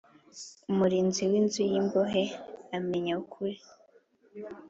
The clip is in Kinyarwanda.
Umurinzi w inzu y imbohe amenya ukuri